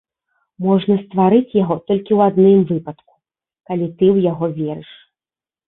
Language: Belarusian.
Можна стварыць яго толькі ў адным выпадку, калі ты ў яго верыш.